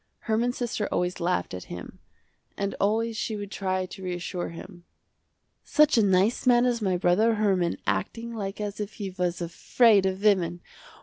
Herman's sister always laughed at him and always she would try to reassure him. "Such a nice man as my brother Herman acting like as if he was afraid of women.